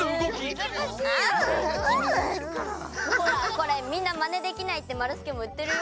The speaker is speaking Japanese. これみんなマネできないってまるすけもいってるよ。